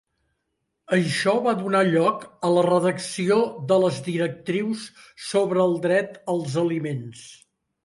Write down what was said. Això va donar lloc a la redacció de les directrius sobre el dret als aliments.